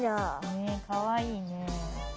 ねっかわいいね。